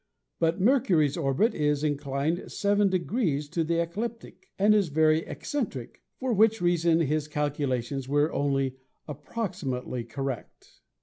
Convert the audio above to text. But Mercury's orbit is inclined 7 degrees to the ecliptic and is very eccentric, for which reason his calculations were only approximately correct.